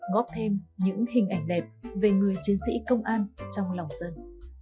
góp thêm những hình ảnh đẹp về người chiến sĩ công an trong lòng dân